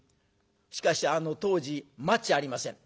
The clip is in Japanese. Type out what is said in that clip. しかしあの当時マッチありません。